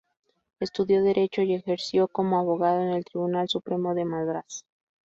Estudió Derecho y ejerció como abogado en el Tribunal Supremo de Madrás.